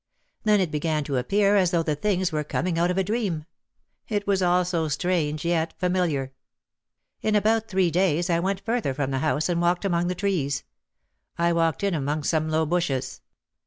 Then it began to appear as though the things were coming out of a dream. It was all so strange yet familiar. In about three days I went further from the house and walked among the trees. I walked in among some low bushes.